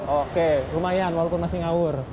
oke lumayan walaupun masih ngawur